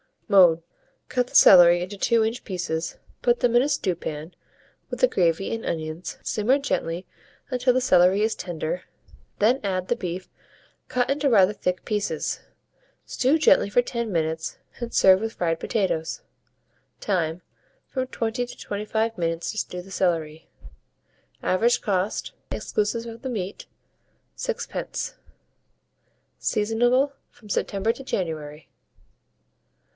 Mode. Cut the celery into 2 inch pieces, put them in a stew pan, with the gravy and onions, simmer gently until the celery is tender, when add the beef cut into rather thick pieces; stew gently for 10 minutes, and serve with fried potatoes. Time. From 20 to 25 minutes to stew the celery. Average cost, exclusive of the meat, 6d. Seasonable from September to January.